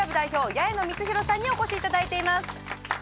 八重野充弘さんにお越しいただいています！